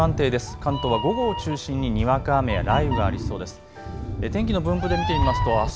関東は午後を中心ににわか雨や雷雨がありそうです。